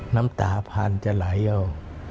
น้ำตาผ่านจะไหลเอา